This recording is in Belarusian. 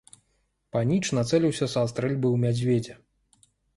Паніч нацэліўся са стрэльбы ў мядзведзя.